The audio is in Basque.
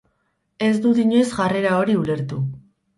Ez dut inoiz jarrera hori ulertu.